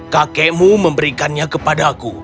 kakekmu memberikannya kepadaku